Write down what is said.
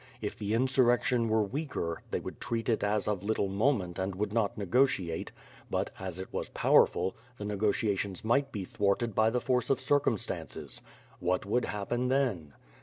If the insurrection were weaker, they would treat it as of little moment and would not negotiate; but, as it was powerful, the negotiations might be thwarted by the force of circumstances. What would happen then?